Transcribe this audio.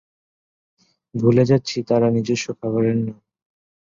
ভুলে যাচ্ছি তারা নিজস্ব খাবারের নাম।